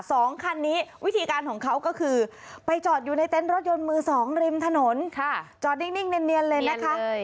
สองคันนี้วิธีการของเขาก็คือไปจอดอยู่ในเต็นต์รถยนต์มือสองริมถนนค่ะจอดนิ่งเนียนเลยนะคะ